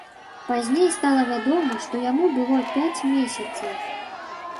Пазней стала вядома, што яму было пяць месяцаў.